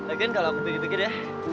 agen kalau aku pikir pikir ya